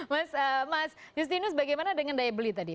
mas mas justinus bagaimana dengan daya beli tadi